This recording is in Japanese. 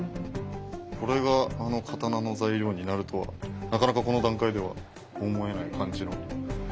これがあの刀の材料になるとはなかなかこの段階では思えない感じの。